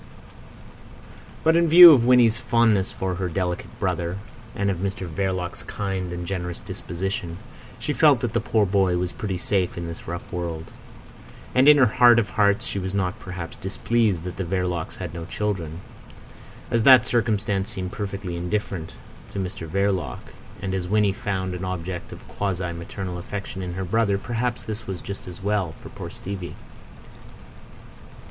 But in view of Winnie's fondness for her delicate brother, and of Mr Verloc's kind and generous disposition, she felt that the poor boy was pretty safe in this rough world. And in her heart of hearts she was not perhaps displeased that the Verlocs had no children. As that circumstance seemed perfectly indifferent to Mr Verloc, and as Winnie found an object of quasi maternal affection in her brother, perhaps this was just as well for poor Stevie.